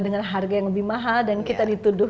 dengan harga yang lebih mahal dan kita dituduh